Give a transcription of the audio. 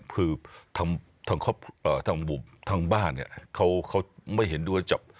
คือทางบ้านเนี่ยเขาไม่เห็นด้วยจับ